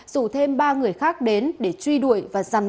rủ thêm ba người khác đến để truy đuổi và giằn đuổi